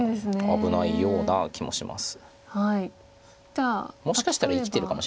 危ないような気がします。